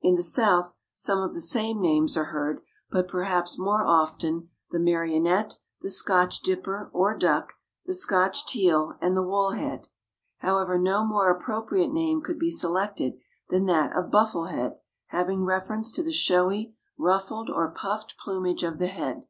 In the South some of the same names are heard, but perhaps more often the Marionette, the Scotch dipper, or duck, the Scotch teal and the Wool head. However, no more appropriate name could be selected than that of Buffle head, having reference to the showy, ruffled or puffed plumage of the head.